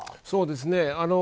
そうですね。